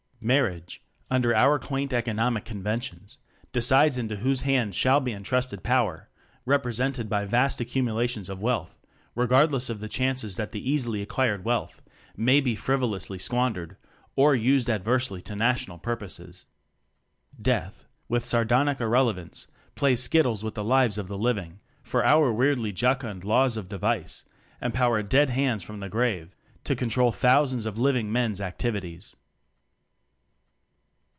Marriage, under our quaint eco nomic conventions, decides into whose hands shall be entrusted power represented by vast accumula tions of wealth, regardless of the chances that the easily acquired wealth may be frivolously squan dered or used adversely to national purposes. Death, with sardonic irrelevance, plays skittles with the lives of the living; for our weirdly jocund "laws of devise" empower dead hands from the grave to control thousands of living men's activities.